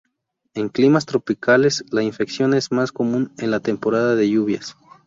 En climas tropicales, la infección es más común en la temporada de lluvias.